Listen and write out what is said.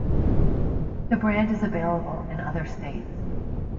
The brand is available in other states.